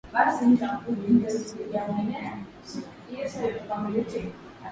Wa mimi sibanduki, ni radhi nilaumiwe.